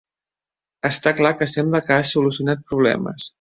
Està clar que sembla que has solucionat problemes.